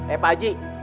eh pak haji